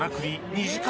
２時間